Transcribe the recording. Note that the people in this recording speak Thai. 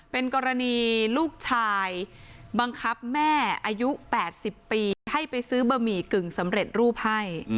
เป็นกรณีลูกชายบังคับแม่อายุ๘๐ปีให้ไปซื้อบะหมี่กึ่งสำเร็จรูปให้